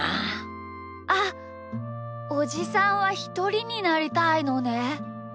あっおじさんはひとりになりたいのね。